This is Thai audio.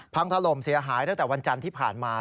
ถล่มเสียหายตั้งแต่วันจันทร์ที่ผ่านมา